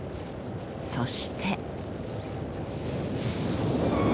そして。